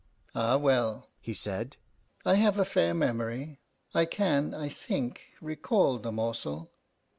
"Ah well," he said, "I have a fair memory; I can, I think, recall the morsel.